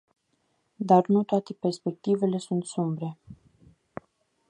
Dar nu toate perspectivele sunt sumbre.